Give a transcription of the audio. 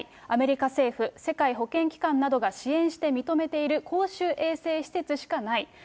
アメリカ政府、世界保健機関などが支援して認めている公衆衛生施設しかない。